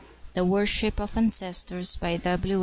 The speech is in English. THE WORSHIP OF ANCESTORS BY W.